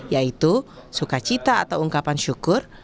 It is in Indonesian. yaitu sukacita atau ungkapan syukur